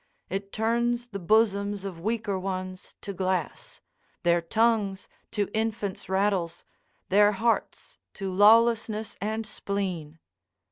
It turns the bosoms of weaker ones to glass, their tongues to infants' rattles, their hearts to lawlessness and spleen.